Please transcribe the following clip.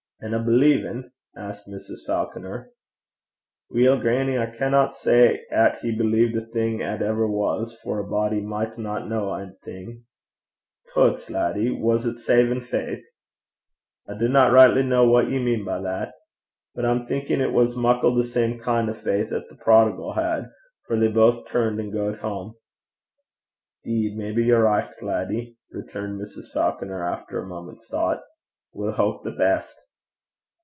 'An' a believin'?' asked Mrs. Falconer. 'Weel, grannie, I canna say 'at he believed a' thing 'at ever was, for a body michtna ken a' thing.' 'Toots, laddie! Was 't savin' faith?' 'I dinna richtly ken what ye mean by that; but I'm thinkin' it was muckle the same kin' o' faith 'at the prodigal had; for they baith rase an' gaed hame.' ''Deed, maybe ye're richt, laddie,' returned Mrs. Falconer, after a moment's thought. 'We'll houp the best.'